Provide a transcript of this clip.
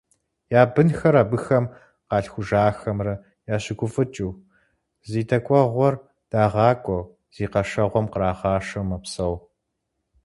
Я бынхэмрэ абыхэм къалъхужахэмрэ ящыгуфӀыкӀыу, зи дэкӀуэгъуэр дагъакӀуэу, зи къэшэгъуэм кърагъашэу мэпсэу.